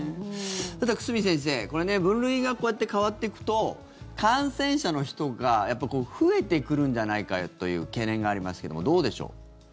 久住先生分類がこうやって変わっていくと感染者の人がやっぱり増えてくるんじゃないかという懸念がありますけどもどうでしょう。